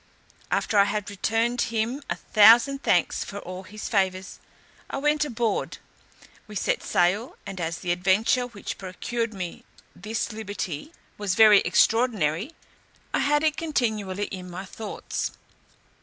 After I had returned him a thousand thanks for all his favours, I went aboard. We set sail, and as the adventure which procured me this liberty was very extraordinary, I had it continually in my thoughts.